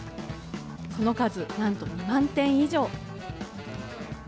その数なんと２万点以上。